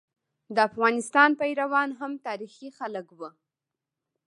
د افغانستان پيروان هم تاریخي خلک وو.